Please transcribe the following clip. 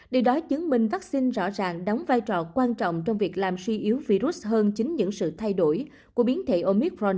điều đó chứng minh vaccine rõ ràng đóng vai trò quan trọng trong việc làm suy yếu virus hơn chính những sự thay đổi của biến thể omicron